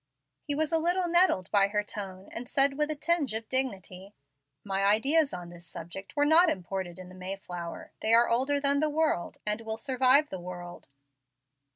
He was a little nettled by her tone, and said with a tinge of dignity, "My ideas on this subject were not imported in the Mayflower. They are older than the world, and will survive the world."